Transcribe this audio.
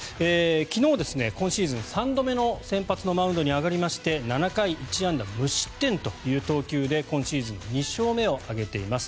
昨日、今シーズン３度目の先発のマウンドに上がりまして７回１安打無失点という投球で今シーズン２勝目を挙げています。